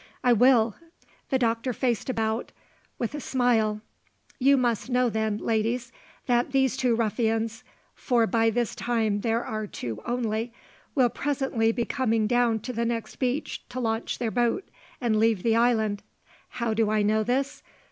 "I will." The Doctor faced about, with a smile. "You must know then, ladies, that these two ruffians for by this time there are two only will presently be coming down to the next beach to launch their boat and leave the island. How do I know this?